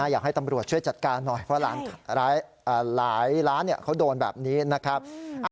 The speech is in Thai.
อยากให้ตำรวจช่วยจัดการหน่อยเพราะร้านหลายร้านเขาโดนแบบนี้นะครับ